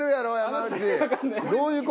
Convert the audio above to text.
どういう事？